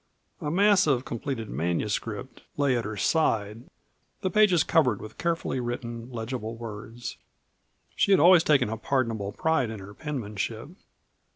A mass of completed manuscript lay at her side, the pages covered with carefully written, legible words. She had always taken a pardonable pride in her penmanship.